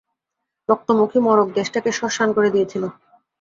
রক্তমুখী মড়ক দেশটাকে শ্মশান করে দিয়েছিল।